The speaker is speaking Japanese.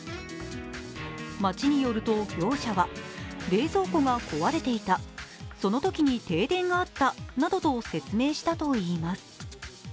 町によると業者は冷蔵庫が壊れていた、そのときに停電があったなどと説明したといいます。